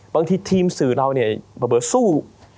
บางทีทีมสื่อเราเนี่ยเผลอสู้